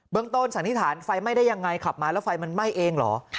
ต้นสันนิษฐานไฟไหม้ได้ยังไงขับมาแล้วไฟมันไหม้เองเหรอ